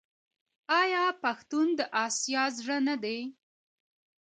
آیا پښتون د اسیا زړه نه دی؟